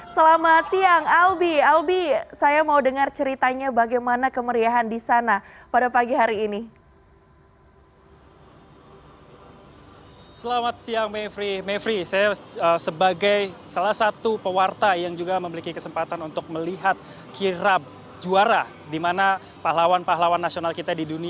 selamat siang albi albi saya mau dengar ceritanya bagaimana kemeriahan di sana pada pagi hari ini